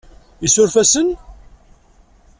Isuref-asen?